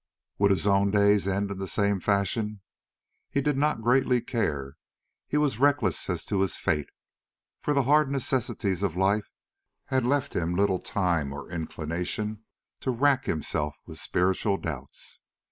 Would his own days end in the same fashion? He did not greatly care, he was reckless as to his fate, for the hard necessities of life had left him little time or inclination to rack himself with spiritual doubts.